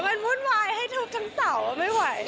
มันวุ่นวายให้ทุบทั้งเสาไม่ไหว